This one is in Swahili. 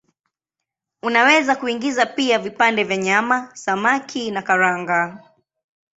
Unaweza kuingiza pia vipande vya nyama, samaki na karanga.